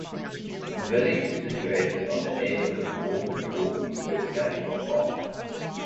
The village is situated on the edge of the North York Moors National Park.